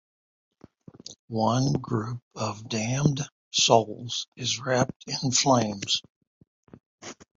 One group of damned souls is wrapped in flames.